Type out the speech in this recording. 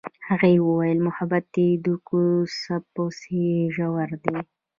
هغې وویل محبت یې د کوڅه په څېر ژور دی.